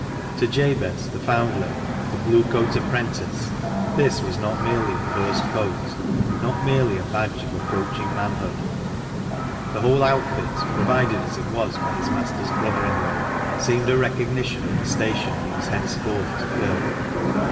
To Jabez— the foundling— the Blue coat apprentice, this was not merely a first coat, not merely a badge of approaching manhood, — the whole outfit, provided as it was by his master's brother in law, seemed a recognition of the station he was henceforth to fill.